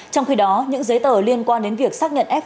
trong khi đó những giấy tờ liên quan đến việc xác nhận f